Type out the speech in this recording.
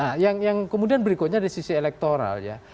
nah yang kemudian berikutnya dari sisi elektoral ya